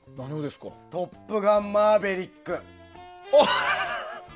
「トップガンマーヴェリック」。